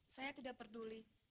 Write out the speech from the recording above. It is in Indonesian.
saya tidak peduli